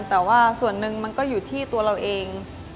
แต่ว่าส่วนหนึ่งมันก็อยู่ที่ตัวเราเอง